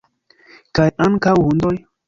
Kaj ankaŭ hundoj?